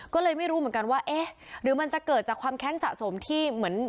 ก็เลยไม่รู้เหมือนกันว่าเอ๊ะหรือมันจะเกิดจากความแค้นสะสมที่เหมือน